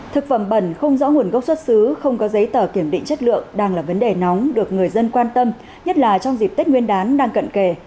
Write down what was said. thực phẩm bẩn không rõ nguồn gốc xuất xứ không có giấy tờ kiểm định chất lượng đang là vấn đề nóng được người dân quan tâm nhất là trong dịp tết nguyên đán đang cận kề